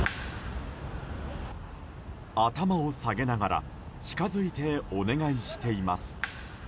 頭を下げながら近づいてお願いしています。